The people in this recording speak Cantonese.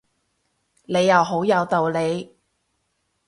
你又好有道理